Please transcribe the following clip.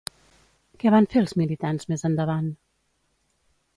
Què van fer els militants més endavant?